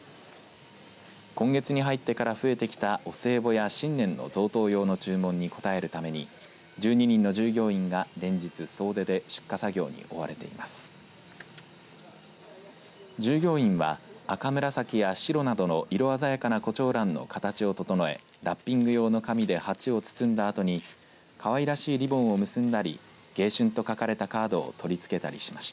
今月に入ってから増えてきたお歳暮や新年の贈答用の注文に応えるために１２人の従業員が連日、総出で出荷作業に追われています。